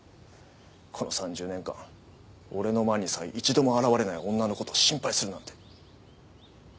この３０年間俺の前にさえ一度も現れない女の事を心配するなんて。